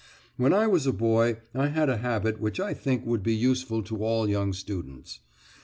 When I was a boy I had a habit which I think would be useful to all young students.